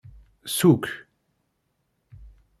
Sukk.